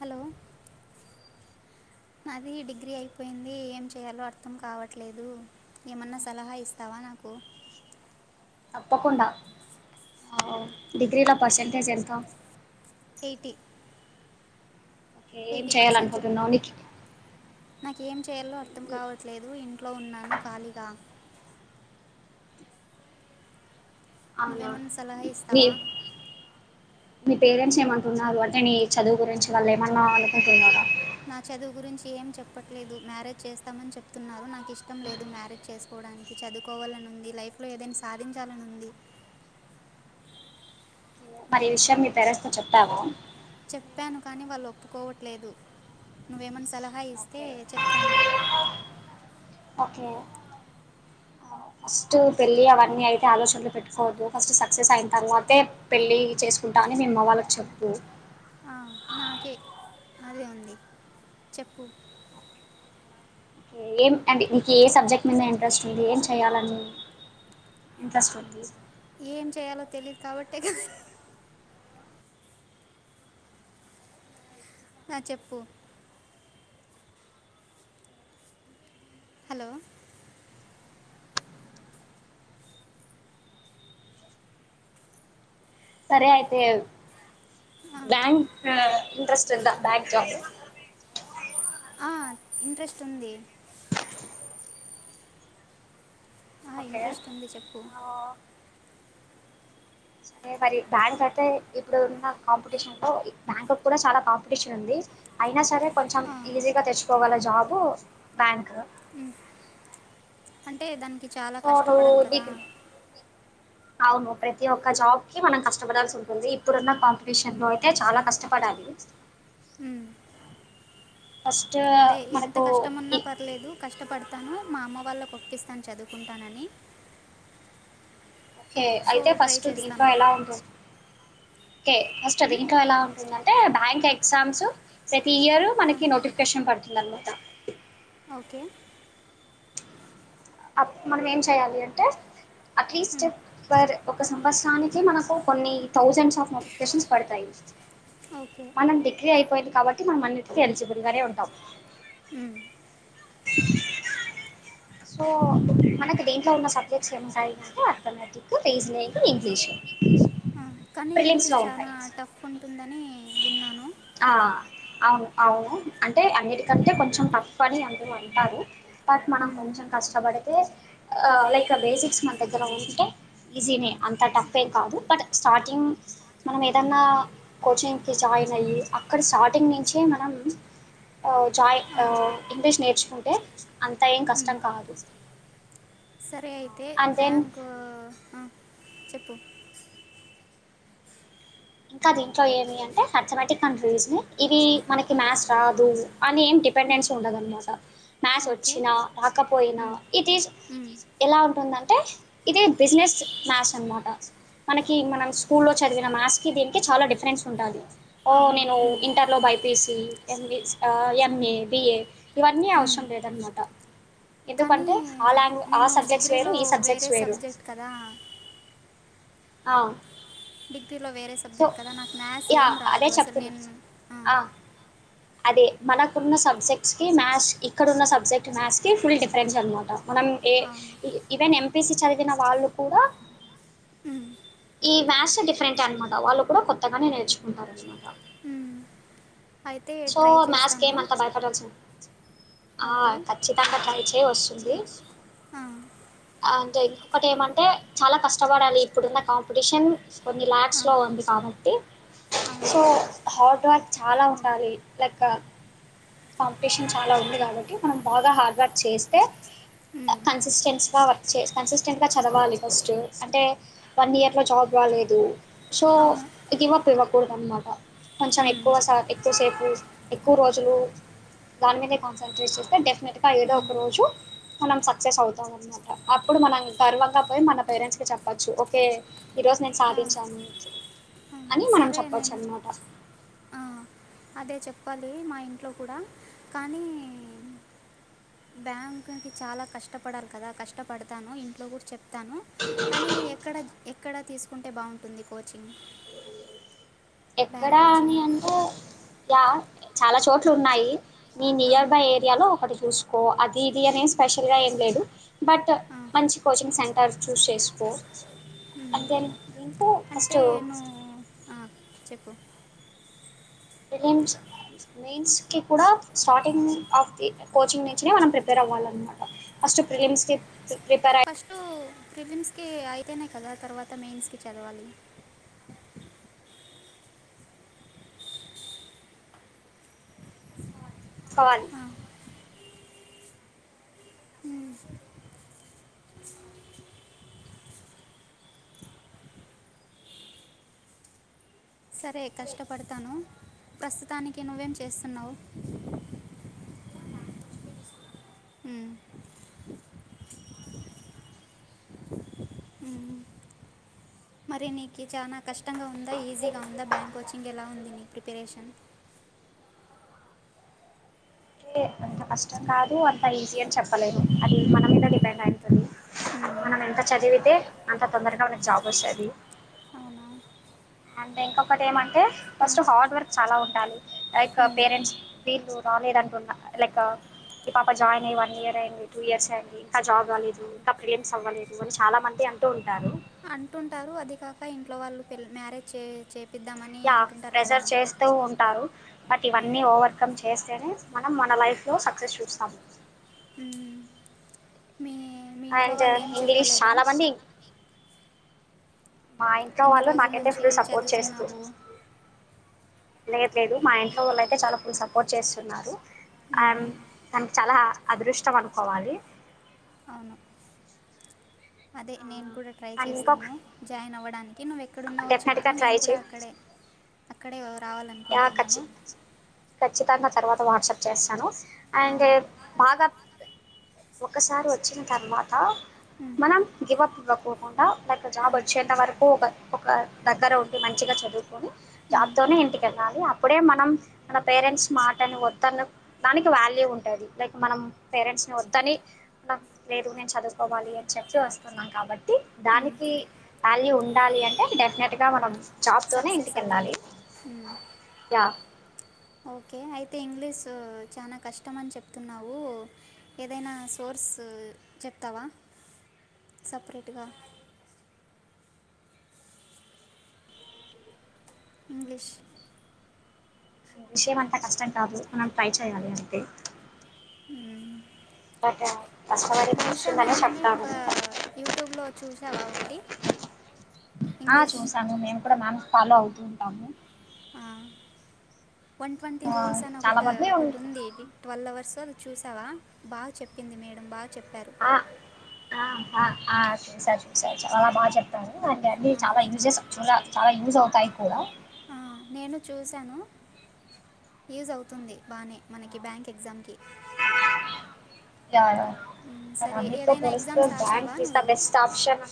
Hello నాది degree అయిపోయింది ఏం చేయాలో అర్థం కావట్లేదు ఏమన్నా సలహా ఇస్తావా నాకు తప్పకుండా డిగ్రీలో పర్సంటేజ్ ఎంత ఎయిటీ ఓకే ఏం చేయ్యాలనుకుంటున్నావు నీకి నాకేం చేయాలో అర్థం కావట్లేదు ఇంట్లో ఉన్నాను ఖాళీగా అవునా నువ్వేమన్నా సలహా మీ ఇస్తావా మీ పేరెంట్స్ ఏమంటున్నారు అంటే నీ చదువు గురించి వాళ్ళు ఏమన్నా అనుకుంటున్నార నా చదువు గురించి ఏం చెప్పట్లేదు మ్యారేజ్ చేస్తామని చెప్తున్నారు నాకు ఇష్టం లేదు మ్యారేజ్ చేసుకోవడానికి చదువుకోవాలనుంది లైఫ్లో ఏదైనా సాధించాలనుంది మరి ఈ విషయం మీ పేరెంట్స్ తో చెప్తావా చెప్పాను కానీ వాళ్ళు ఒప్పుకోవట్లేదు నువ్వేమైన్నా సలహా ఇస్తే ఓకే చెప్తాను ఒకే ఫస్ట్ పెళ్ళి అవన్నీ అయితే ఆలోచనలు పెట్టుకోవద్దు ఫస్ట్ సక్సెస్ అయి తారు అయితే పెళ్ళి చేసుకుంటాం అని మీ అమ్మ వాళ్ళకి చెప్పు ఆ నాకే అదే ఉంది చెప్పు ఏం అంటే నీకు ఏ సబ్జెక్ట్ మీద ఇంట్రెస్ట్ ఉంది ఏం చేయ్యాలని ఇంట్రెస్ట్ ఉంది ఏం చేయాలో తెలీదు కాబట్టే నా చెప్పు హలో సరే అయితే బ్యాంక్ ఇంట్రెస్ట్ ఉంద బ్యాంక్ జాబ్ ఇంట్రెస్ట్ ఉంది ఒకే ఇంట్రెస్ట్ ఉంది చెప్పు ఆ సరే మరి బ్యాంక్ అయితే ఇప్పుడు ఉన్న కాంపిటీషన్ లో బ్యాంక్ కూడ చాలా కాంపిటీషన్ ఉంది అయినా సరే కొంచెం ఆ, ఈజీగ తెచ్చుకో గల జాబు బ్యాంక్ ఉమ్. అంటే దాని కి చాలా సో నువ్వు కష్టపడాలి కదా నీకు అవును ప్రతి ఒక్క జాబ్కి మనం కష్టపడాల్సి ఉంటుంది ఇప్పుడున్న కాంపిటీషన్ లో అయితే చాలా కష్టపడాలి ఉమ్ ఫస్ట్ అదే ఎంత మనకు కష్టమన్నా ఈ- పర్లేదు కష్టపడ తాను మా అమ్మ వాళ్ళకి ఒప్పిస్తాను చదువుకుంటానని ఓకే సో అయితే ట్రై ఫస్ట్ దీంట్లో చేస్తాను ఎలా ఉంటుం కే ఫస్ట్ ఉమ్? అదేంట్ర అలా అంటుందని ఏ బ్యాంక్ ఎగ్సామ్స్ పే తీయర్ ఆ, మనకి నోటిఫికేషన్ పడుతుంది ధనమాట ఓకే అప్ మనం ఏం చెయాలి అంటే అట్లీస్ట్ ఉమ్, ప ఒక సంవత్సరానికి మనకు కొన్ని థౌజండ్స్ ఆఫ్ నోటిఫికేషన్స్ పడతాయి ఓకే మనం డిగ్రీ అయిపోయిది కాబట్టి మనం అన్నిటికీ ఎలిజిబుల్గానే ఉంటాం ఉమ్, సో మనకి దీంట్లో ఉన్న సబ్జెక్ట్స్ ఏమింటాంటే ఆర్థమేటిక్ రేజ్లంగ్ ఇంగ్లీషు కానీ ఇంగ్లీష్ చానా టఫ్ ఉంటుందని విన్నాను ఆ అవును అవును అంటే అన్నిటికంటే కొంచెం టఫ్ అని అందరూ అంటారు బట్ మనం ఉమ్, కొంచెం కష్టపడితే లైక్ బేసిక్స్ మన దగ్గర ఉంటే ఈజీనే అంత టఫ్ ఏం కాదు బట్ స్టార్టింగ్ మనం ఏదన్నా కోచింగ్ జాయిన్ అయ్యి అక్కడ స్టార్టింగ్ నుంచే మనం జాయి ఆ, ఇంగ్లీష్ నేర్చుకుంటే అంత ఏం ఉమ్. కష్టం కాదు సరే అయితే అండ్ దెన్ బ్యాంకు ఆ చెప్పు ఇంకా దీంట్లో ఏమి అంటే అథమెటిక్ అండ్ రీజనింగ్ ఇవి మనకి ఆ, మ్యాథ్స్ రాదు అని ఏమి ఉమ్, డిపెండెన్సీ ఉండదనమాట మ్యాస్ ఓకే వచ్చిన రాకపోయినా ఉమ్, ఇది ఉమ్, ఎలా ఉంటుందంటే ఇది బిజినెస్ మ్యాస్ అనమాట మనకి మనం స్కూల్లో చదివిన మ్యాస్ కి దీనికి చాలా డిఫరెన్స్ ఉంటుంది ఓ అవును నేను ఉమ్, ఇంటర్లో బైపీఎసీ ఎంబ ఎంఏ బిఏ ఇవన్నీ ఉమ్. అవసరం లేదనమాట కానీ ఎందుకంటే ఆ లాంగ్ నేను డిగ్రీలో వేరే సబ్జెక్ట్ కదా అ డిగ్రీలో వేరే సబ్జెక్ట్ కదా నాకు మ్యాథ్స్ యా ఏం అదే రాదు అసలు చెప్తున్నా నేను ఆ అదే మనకున్న సబ్జెక్ట్స్ కి మ్యాథ్స్ ఇక్కడన్న సబ్జెక్ట్ మ్యాథ్స్ కి ఫుల్ డిఫరెన్స్ అనమాట మనం ఏ అవును ఈవెన్ ఎంపీసిీ చదివిన వాళ్ళు కూడా ఉమ్, ఈ మ్యాథ్స్ డిఫరెంట్ అనమాట వాళ్ళు కూడా కొత్తగానే నేర్చుకుంటారు అనమాట ఉమ్. అయితే సో ట్రై మ్యాథ్స్కి చేస్తాను ఏమంతా భయపడాల్సిన ఓకే ఖచ్చితంగా ట్రై చేయ్ వస్తుంది ఆ, ఇంకొకటి ఏమంటే చాలా కష్టపడాలి ఇప్పుడున్న కాంపిటీషన్ కొన్ని ఆ, ల్యాక్స్లో ఉంది కాబట్టి అవును సో హట్ వట్ చాలా ఉండాలి లైక్ కాంపిటీషన్ చాలా ఉంది కాబట్టి మనం బాగా హార్డ్ వర్క్ చేస్తే ఉమ్, కన్సిస్టెంట్స్గా వర్క్ కన్సిస్టెంట్గా చదవాలి ఫస్ట్ అంటే వన్ ఇయర్ లో జాబ్ రాలేదు సో అవును గివ్ అప్ ఇవ్వకూడదు అనమాట కొంచెం ఉమ్, ఎక్కువ సా ఎక్కువసేపు ఎక్కువ రోజులు దాని మీదే కాన్సన్ట్రేట్ చేస్తే డెఫినెట్గా ఏదో ఒక ఉమ్, రోజు మనం సక్సెస్ అవుతాం అన్నమాట అప్పుడు మనం గర్వంగా పోయి మన పేరెంట్స్కి చెప్పచ్చు ఓకే ఈరోజు నేను ఆ, సాధించాను ఆ. అని మనం సరే చెప్పొచ్చు నేను అనమాట ఆ, అదే చెప్పాలి మా ఇంట్లో కూడా కానీ బ్యాంకుకి చాలా కష్టపడాలి కదా కష్టపడతాను ఇంట్లో కూడా చెప్ చెస్తాను కానీ ఎక్కడ ఇక్కడ తీసుకుంటే బాగుంటుంది కోచింగ్ బ్యాంక్ ఎక్కడా అని కోచింగ్ అంటే యా చాలా చోట్లు ఉన్నాయి మీ ఆ, నియర్ బై ఏరియాలో ఒకటి చూసుకో అది ఇది అనే స్పెషల్గా ఏం లేదు బట్ ఆ, మంచి కోచింగ్ సెంటర్ చూస్ చేసుకో ఉమ్. అంతే ఇంట అంటే ఫస్ట్ నువ్వు ఆ, చెప్పు ప్రిలిమ్స్ మెయిన్స్ కి కూడా స్టార్టింగ్ ఆఫ్ ది కోచింగ్ నుంచినే మనం ప్రిపేర్ అవ్వాలన్నమాట ఫస్ట్ ప్రిలిమ్స్ కి ప్రిపేర్ అయ్య ఫిలిమ్స్కి అయితేనే కదా తర్వాత మెయిన్స్కి చదవాలి సన్ ఆ, ఉమ్. సరే కష్టపడతాను ప్రస్తుతానికి నువ్వేం చేస్తున్నావు అ మరినీకి అచాక కష్టంగా ఉందా ఈజీగా ఉందా బ్యాంక్చ్చ కోచింగ్ ఎలా ఉంది నీ ప్రిపరేషన్ ే అంత కష్టం కాదు అంత ఈజీ అని చెప్పలేదు అది మన ఉమ్, మీద డిపెండ్ అయితుంది ఉమ్, మనం ఎంత చదివితే అంత తొందరగా ఉన్న జాబ్ వస్తుంది అవునా అండ్ ఇంకొకటి ఏమంటే ఉమ్, ఫస్ట్ హార్డ్ వర్క్ చాలా ఉండాలి లైక్ ఉమ్. పేరెంట్స్ వీళ్ళు రాలేదు అంటున్న లైక్ ఈ పాప జాయిన్ అయ్యి వన్ ఇయర్ అయింది టూ ఇయర్స్ అయంది ఇంకా జాబ్ కవాలేదు ఇంకా ప్రియన్స్ అవ్వలేదు అని చాలా మంది అంటూ ఉంటారు అంటుంటారు అది కాక ఇంట్లో వాళ్ళు పెళ్ మ్యారేజ్ చే చేపిద్దామని అంటుంటారు కదా ప్రెజర్ చేస్తూ ఉంటారు బట్ ఆ, ఇవన్నీ ఓవర్కమ్ చేస్తేనే మనం మన లైఫ్ లో సక్సెస్ చూస్తాము ఉమ్. మీ మీ ఇంట్లో అండ్ వాళ్ళు ఏం ఇంగ్లీష్ చెప్పలేదా చాలా మంది మా ఇంట్లో ఇన్ని వాళ్ళు రోజుల నాకైతే నుంచి ఫుల్ సపోర్ట్ చేస్తూ చదువుతున్నావు తెలియట్లేదు మా ఇంట్లో వాళ్ళు అయితే చాలా ఫుల్ సపోర్ట్ చేస్తున్నారు ఉమ్, అండ్ మనకు చాలా అదృష్టం అనుకోవాలి అవును అదే నేను కూడా ట్రై అండ్ ఇంకొక చేస్తాను జాయిన్ అవ్వడానికి నువ్వు ఎక్కడున్నావో చెప్పు డెఫినెట్గా ట్రై నేను కూడా చేయి అక్కడే అక్కడే ఖచ్చి చెాలనుకుంటున్నాను ఖచ్చితంగా తర్వాత వాట్సాప్ చేస్తాను ఆ, అే భాగా ఒకసారి వచ్చిన తర్వాత ఉమ్. మనం గివ్ అప్ ఇవ్వకోకుండా లైక్ జాబ్ వచ్చేంత వరకు ఒక ఒక దగ్గర ఉండి మంచిగా చదువుకొని జాబ్ తోనే ఇంటికి వెళ్ళాలి అప్పుడే మనం మన పేరెంట్స్ మాటని వద్దను దానికి వాల్యూ ఉంటుంది లైక్ మనం పేరెంట్స్ని వద్దని మన లేరు నేను చదువుకోవాలి అని చెప్పి వస్తున్నాను కాబట్టి దానికి వ్యాల్యూ ఉండాలి అంటే డెఫినెట్గా మనం జాబ్ తోనే సక్సెస్ ఇంటిక వెళ్ళాలి అవ్వాలి ఉమ్, యా ఓకే అయితే ఇంగ్లీష్ు చాలా కష్టం అని చెప్తున్నావు ఏదైనా సోర్స్ చెప్తావా సపరేట్గా ఇంగ్లీష్ విషయం అంతా కష్టం కాదు మనం ట్రై చేయాలి అంతే అద నిమిష ఆమెని ఒక యూట్యూబ్ లో. చూసావా ఒకటి. ఆ ఇంగ్లీష్ చూసాము మేము కూడా మా. ఫాలో అవుతూ ఉంటాము. వన్ ట్వంటీ ఆ రూల్స్ అని చాలా ఒకటి మంది ఒకటి ఉంది ట్వల్వ్ అవర్స్. చూసావా బాగా చెప్పింది మేడంమ్ బాగా చెప్ప. చెప్పారు. ఆ ఆ చూసా చూసా చాలా బాగా చెప్తారు అ అన్నీ ఆ, చాలా యూజెస్ చూ చాలా యూజ్ అవుతాయి కూడా. ఆ, నేను చూశాను యూజ్ అవుతుంది బాగానే మనకి బ్యాంక్ ఎగ్జామ్ కి. కానీ అన్నితో ఏదైనా పోడిస్తే ఎగ్జామ్స్ రాసావా బ్యాంక్ ఇస్ దా నువ్వు బెస్ట్ ఆప్షన్.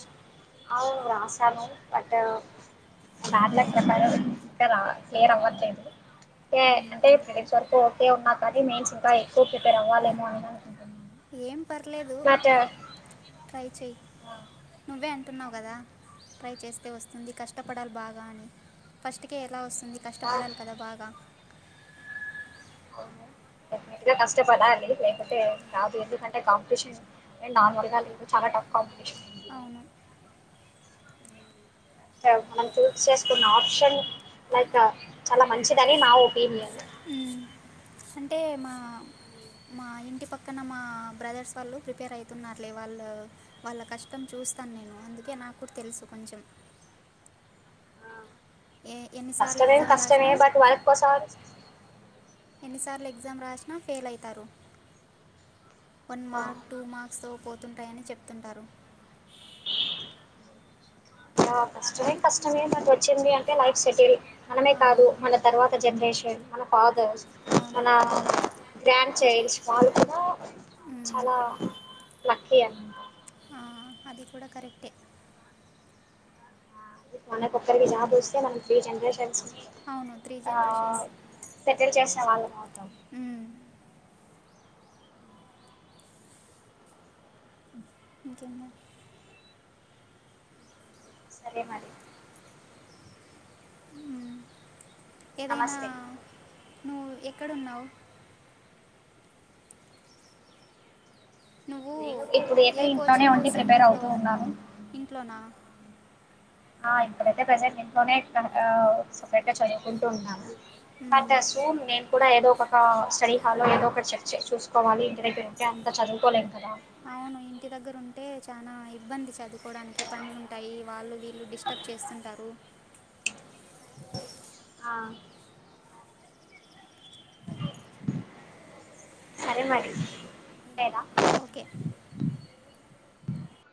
అవు రాశాను బట్ ఆ, బ్యాడ్లక్ ఇంకా రా క్లియర్ అవ్వట్లేదుకే మ్, అంటే ఫ్రెండ్స్ వరకు ఓకే ఉన్నా కానీ మేన్స్ ఇంకా ఎక్కువ ప్రిపేర్ అవ్వాలేమో అని. ఆ. ఏం పర్లేదు ట్రై చెయ్. హా. ఇవే అంటున్నావు కదా ట్రై చేస్తే వస్తుంది కష్టపడాలి బాగా అని ఫస్ట్ కే ఎలా వస్తు. అంది కష్టపడాలి కదా బాగా. కష్టపడాలి లేకపోతే రాదు ఎందుకంటే కాంపిటీషన్ ఏ నాన్నడుగా లేదు చాలా టఫ్ కాంపిటీషన్. బయట అవును. మనం చూస్ చేసుకున్న ఆప్షన్ లైక్ చాలా మంచిదని నా ఒపీనియన్. అందుకే మా. మా ఇంటి పక్కన మా బ్రదర్స్ వాళ్ళు ప్రిపేర్ అవుతున్నారులే వాళ్ళు వాళ్ళ కష్టం చూస్తాను నేను అందుకే నాకు కూడా తెలుసు కొంచం. ఎన్నిసార్లు కష్టమే ఎగ్జామ్ కష్టమే రాసినా బట్ వర్క్ కోసం. ఎన్నిసార్లు ఎగ్జామ్ రాసినా ఫెయిల్ అవుతారు. వన్ ఆ మార్క్ టూ మార్క్ స్ తో పో. తుంటాయని చెప్తుంటారు. కష్టమే కష్టమే నాకు వచ్చింది. Life settle. మనమే ఆ, కాదు మన తర్వాత జనరేషన్. మలా పా. అవును మన. గ్రాండ్ ఛేజ్ వాళ్ళు కూడా. ఉమ్, చాలా. లాకీ అని. అది కూడా కరెక్టే. మన కొకరికి జాబు వస్తే మనం త్రీ జనరేషన్స్. అవును త్రీ ఆహా జనరేషన్స్ సెటిల్. [unintelligible] ఉమ్ [unintelligible] సరే మరి ఆమ్ ఏదైనా నమస్తే నువ్వు ఎక్కడున్నావు నువ్వు నేను ఇప్పుడు ఐతే ఏ ఇంట్లోనే కోచింగ్ ఉండి ప్రిపేర్ సెంటర్లో అవుతూ ఉన్నాను ఇంట్లోనా ఆ ఇప్పుడైతే ప్రెజెంట్ ఇంట్లోనే సపరేట్ గా చదువుకుంటూ ఉన్నాను మ ఉమ్, సూమ్ నేన్ కూడా ఏదో ఆ స్టడీహలో ఏదో ఒకటి చెక్ చేసి చూసుకోవాలి ఇంత తింటే అంత చదువుకోలేం కదా అవును ఇంటి దగ్గర ఉంటే చానా ఇబ్బంది చదువుకోవడానికి పనులుంటాయి వాళ్ళు వీళ్ళు డిస్టర్బ్ చేస్తుంటారు ఆ సరే మరీ ఉండేదా ఓకే